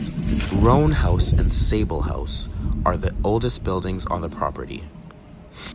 Roan House and Sable House are the oldest buildings on the property.